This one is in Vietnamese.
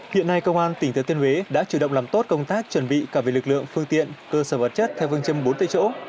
hiện nay công an tỉnh thừa thiên huế đã chủ động làm tốt công tác chuẩn bị cả về lực lượng phương tiện cơ sở vật chất theo phương châm bốn tại chỗ